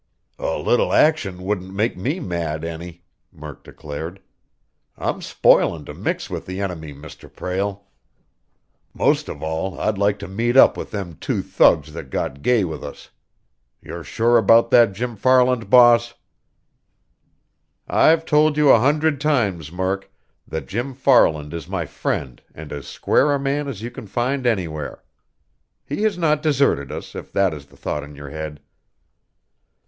"A little action wouldn't make me mad any!" Murk declared. "I'm spoilin' to mix with the enemy, Mr. Prale. Most of all, I'd like to meet up with them two thugs that got gay with us. You're sure about that Jim Farland, boss?" "I've told you a hundred times, Murk, that Jim Farland is my friend and as square a man as you can find anywhere. He has not deserted us, if that is the thought in your head."